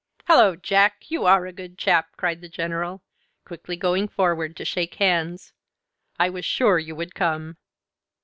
"Halloa, Jack! you are a good chap," cried the General, quickly going forward to shake hands. "I was sure you would come."